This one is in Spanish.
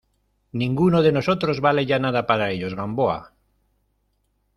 ninguno de nosotros vale ya nada para ellos, Gamboa.